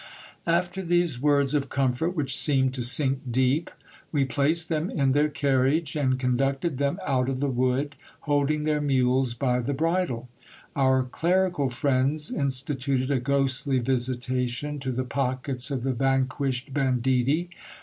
After these words of comfort, which seemed to sink deep, we placed them in their carriage, and conducted them out of the wood, holding their mules by the bridle. Our clerical friends instituted a ghostly visitation to the pockets of the vanquished banditti.